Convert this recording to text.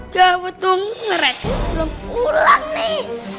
jauh betul ngeret belum pulang nis